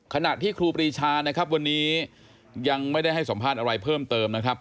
ขณะที่ครูปรีชานะครับวันนี้ยังไม่ได้ให้สัมภาษณ์อะไรเพิ่มเติมนะครับ